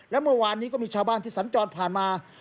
และเมื่อวานนี้ก็มีชาวบ้านที่สัญจรผ่านมา